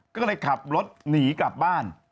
ก็เลยขับรถหนีกลับบ้าน